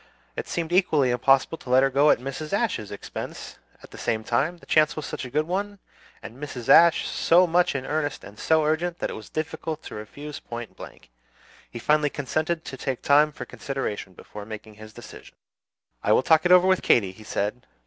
It seemed equally impossible to let her go at Mrs. Ashe's expense; at the same time, the chance was such a good one, and Mrs. Ashe so much in earnest and so urgent, that it was difficult to refuse point blank. He finally consented to take time for consideration before making his decision. "I will talk it over with Katy," he said.